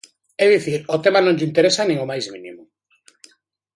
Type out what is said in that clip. É dicir, o tema non lle interesa nin o máis mínimo.